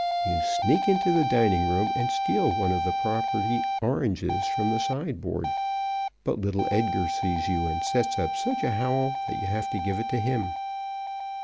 You sneak into the dining room and steal one of the property oranges from the side board, but little Edgar sees you and sets up such a howl that you have to give it to him.